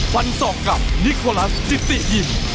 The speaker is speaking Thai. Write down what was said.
ฟันศอกกับนิโคลัสจิติยิม